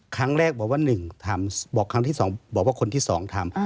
ครั้งแรกบอกว่าหนึ่งบอกว่าคนที่สองทำ